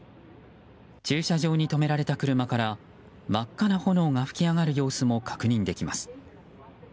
駐車場に止められた車から真っ赤な炎が噴き上がる様子も確認できます。